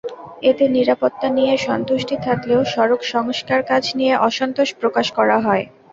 এতে নিরাপত্তা নিয়ে সন্তুষ্টি থাকলেও সড়ক সংস্কারকাজ নিয়ে অসন্তোষ প্রকাশ করা হয়।